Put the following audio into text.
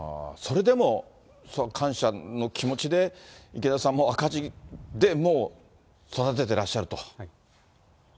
それでも感謝の気持ちで、池田さんも赤字でも育ててらっしゃると。